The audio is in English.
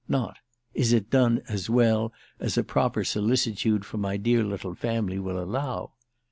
Not 'Is it done as well as a proper solicitude for my dear little family will allow?